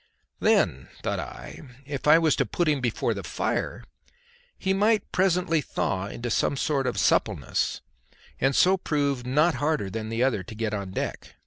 Then, thought I, if I was to put him before the fire, he might presently thaw into some sort of suppleness, and so prove not harder than the other to get on deck.